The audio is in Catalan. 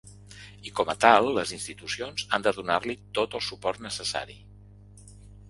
I com a tal les institucions han de donar-li tot el suport necessari.